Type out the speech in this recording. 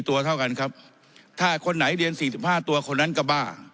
ตัวเท่ากันครับถ้าคนไหนเรียน๔๕ตัวคนนั้นก็บ้า